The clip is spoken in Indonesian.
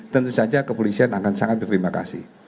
tentu saja kepolisian akan sangat berterima kasih